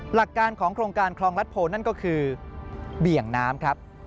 หลักการของโครงการคลองรัฐโพนั่นก็คือเบี่ยงน้ำครับ